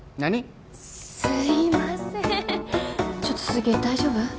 ちょっと鈴木大丈夫？